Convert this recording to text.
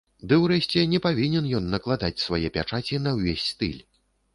Ды ўрэшце, не павінен ён накладаць свае пячаці на ўвесь стыль.